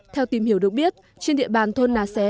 theo tìm hiểu được biết trên địa bàn thôn nà xé